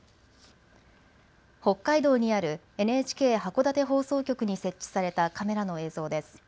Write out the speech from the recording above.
北海道にあるＮＨＫ函館放送局に設置されたカメラの映像です。